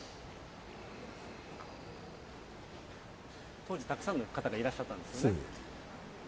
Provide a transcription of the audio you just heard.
当時たくさんの方がいらっしゃったんですよね。